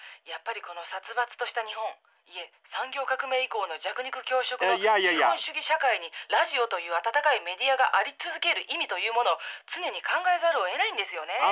やっぱりこの殺伐とした日本いえ産業革命以降の弱肉強食の資本主義社会にラジオという温かいメディアがあり続ける意味というものを常に考えざるをえないんですよね」。